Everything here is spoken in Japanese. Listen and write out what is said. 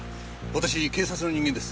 私警察の人間です。